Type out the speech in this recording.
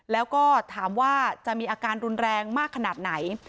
แล้วก็ถามว่าจะมีอาการรุนแรงมากขนาดไหน